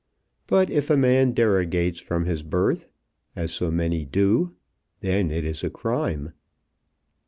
But if a man derogates from his birth, as so many do, then it is a crime."